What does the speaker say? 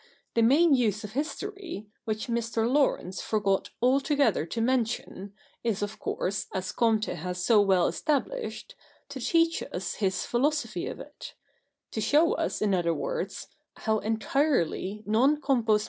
The main use of history, which Mr. Laurence forgot altogether to mention, is of course, as Comte has so well established, to teach us his philosophy of it — to show us, in other words, how entirely Jion compos